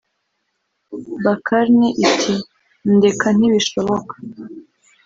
Bakarne iti “Ndeka ntibishoboka